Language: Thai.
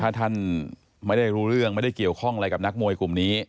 ถ้าท่านไม่ได้รู้เรื่องไม่ได้เกี่ยวข้องอะไรกับนักมวยกลุ่มนี้